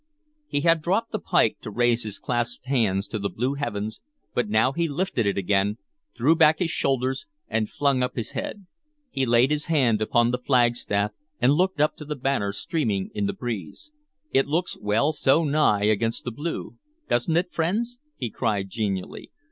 He had dropped the pike to raise his clasped hands to the blue heavens, but now he lifted it again, threw back his shoulders, and flung up his head. He laid his hand on the flagstaff, and looked up to the banner streaming in the breeze. "It looks well so high against the blue, does n't it, friends?" he cried genially.